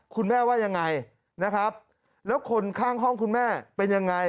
คุณแม่ว่ายังไงนะครับแล้วคนข้างห้องคุณแม่เป็นยังไง